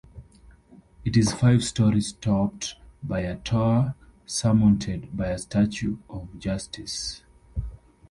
It is five-stories topped by a tower surmounted by a statue of Justice.